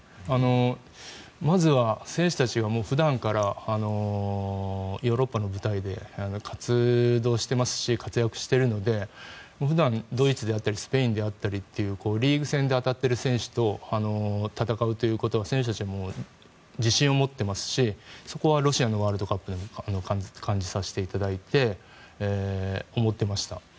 まずは選手たちは普段からヨーロッパの舞台で活動していますし活躍しているので普段、ドイツであったりスペインであったりというリーグ戦で当たっている選手と戦うということは選手たちも自信を持ってますしそこはロシアのワールドカップでも感じさせていただいて思っていました。